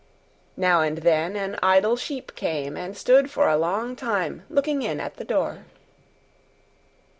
Now and then an idle sheep came and stood for a long time looking in at the door.